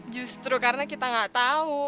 justru karena kita gak tau